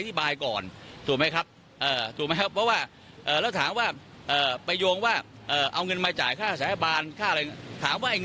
อธิบายก่อนถูกไหมครับถูกไหมครับเพราะว่าแล้วถามว่าไปยงว่าเอาเงินไปจ่ายค่าฝ่ายบัญชาศาบาลค่าและถามว่าอ่ะ